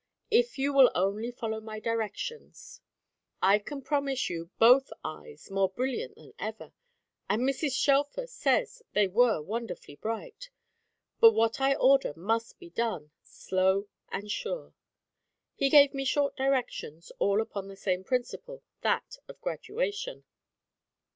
"If you will only follow my directions, I can promise you both eyes, more brilliant than ever; and Mrs. Shelfer says they were wonderfully bright. But what I order must be done. Slow and sure." He gave me short directions, all upon the same principle, that of graduation.